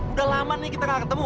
udah lama nih kita gak ketemu